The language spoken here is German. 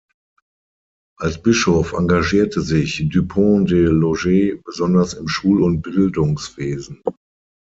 Als Bischof engagierte sich Dupont des Loges besonders im Schul- und Bildungswesen.